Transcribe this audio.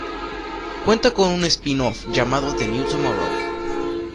Cuenta con un spin-off llamado The New Tomorrow.